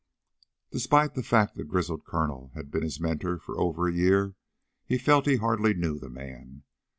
Despite the fact the grizzled Colonel had been his mentor for over a year he felt he hardly knew the man.